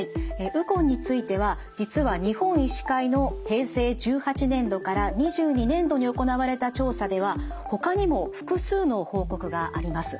ウコンについては実は日本医師会の平成１８年度から２２年度に行われた調査ではほかにも複数の報告があります。